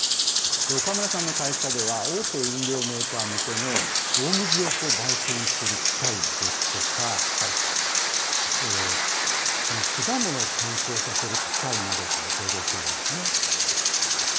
岡村さんの会社では、大手飲料メーカー向けの大麦を焙煎する機械ですとか、その果物を乾燥させる機械などを製造しているんですね。